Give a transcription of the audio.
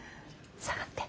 下がって。